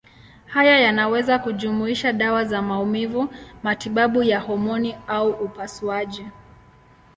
Haya yanaweza kujumuisha dawa za maumivu, matibabu ya homoni au upasuaji.